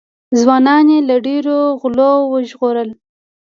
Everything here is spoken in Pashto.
ځوانان یې له ډېرو غولو وژغورل.